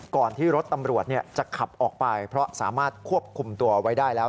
ก่อนที่รถตำรวจจะขับออกไปเพราะสามารถควบคุมตัวไว้ได้แล้ว